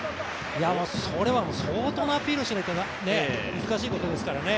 それは相当なアピールしないと難しいことですからね。